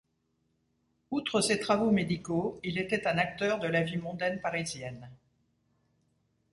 Outre ses travaux médicaux, il était un acteur de la vie mondaine parisienne.